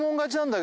だ